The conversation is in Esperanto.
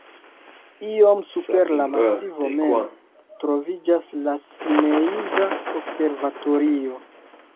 Iom super la masivo mem troviĝas la Simeiza observatorio.